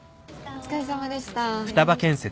お疲れさまです。